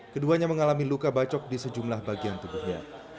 keduanya mengalami luka bacok di sejumlah bagian tubuhnya